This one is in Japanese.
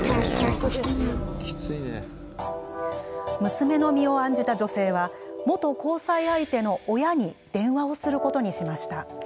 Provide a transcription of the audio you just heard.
娘の身を案じた女性は元交際相手の親に電話をすることにしました。